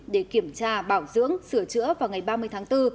để kiểm tra bảo dưỡng sửa chữa vào ngày ba mươi tháng bốn